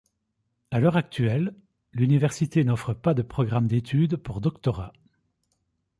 À l'heure actuelle, l'université n'offre pas de programmes d'étude pour doctorat.